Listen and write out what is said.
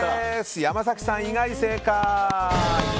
山崎さん以外正解！